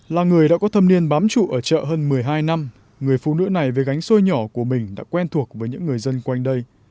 là người đã có thâm niên bám trụ ở chợ hơn một mươi hai năm người phụ nữ này với gánh xôi nhỏ của mình đã quen thuộc với những người dân quanh đây